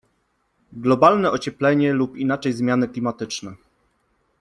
Globalne ocieplenie lub inaczej zmiany klimatyczne.